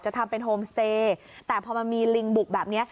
ทำเป็นโฮมสเตย์แต่พอมันมีลิงบุกแบบนี้